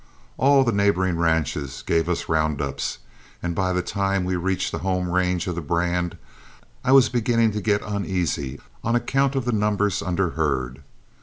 All the neighboring ranches gave us round ups, and by the time we reached the home range of the brand I was beginning to get uneasy on account of the numbers under herd.